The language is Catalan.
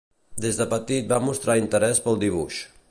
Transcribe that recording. Des de petit va mostrar interès pel dibuix.